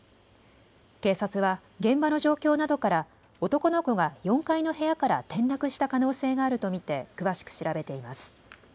警察は現場の状況などから男の子が４階の部屋から転落した可能性があると見て詳しく調べています。